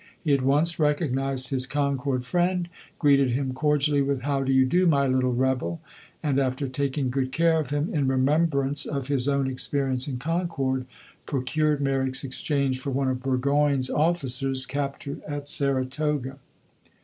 He at once recognized his Concord friend, greeted him cordially with "How do you do, my little rebel?" and after taking good care of him, in remembrance of his own experience in Concord, procured Merrick's exchange for one of Burgoyne's officers, captured at Saratoga.